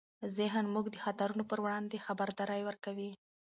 ذهن موږ د خطرونو پر وړاندې خبرداری ورکوي.